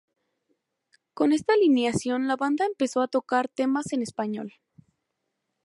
Con esta alineación la banda empezó a tocar temas en español.